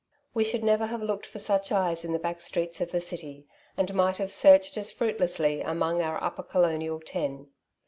We should never have looked for such eyes in the back streets of the city, and might have searched as fruitlessly among our upper colonial ten.